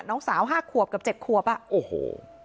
น้องสาว๕ขวบกับ๗ขวบอะโอ้โห